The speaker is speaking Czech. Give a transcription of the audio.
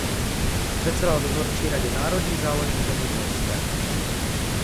Předsedal dozorčí radě Národní záložny zemědělské.